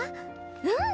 うん。